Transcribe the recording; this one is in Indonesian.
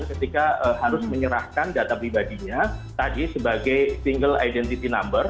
dan ketika harus menyerahkan data pribadinya tadi sebagai single identity number